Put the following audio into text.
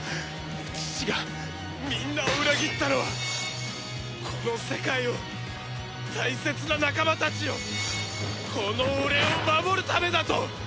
父がみんなを裏切ったのはこの世界を大切な仲間たちをこの俺を守るためだと！